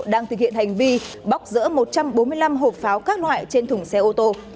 đang thực hiện hành vi bóc rỡ một trăm bốn mươi năm hộp pháo các loại trên thùng xe ô tô